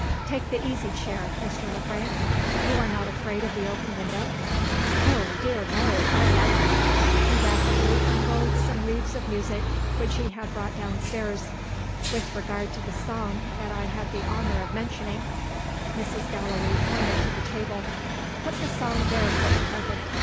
"Take the easy chair, Mr. Le Frank. You are not afraid of the open window?" "Oh, dear no! I like it." He rapidly unrolled some leaves of music which he had brought downstairs. "With regard to the song that I had the honour of mentioning " Mrs. Gallilee pointed to the table. "Put the song there for the present.